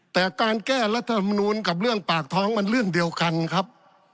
แต่การแก้รัฐมนูลกับเรื่องปากท้องมันเรื่องเดียวกันครับ